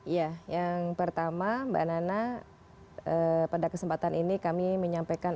ya yang pertama mbak nana pada kesempatan ini kami menyampaikan